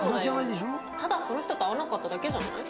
ただその人と合わなかっただけじゃない？